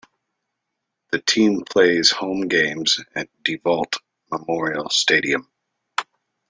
The team plays home games at DeVault Memorial Stadium.